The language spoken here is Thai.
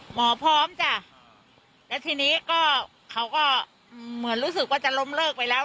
หมอพร้อมจ้ะแล้วทีนี้ก็เขาก็เหมือนรู้สึกว่าจะล้มเลิกไปแล้ว